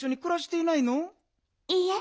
「いいえ。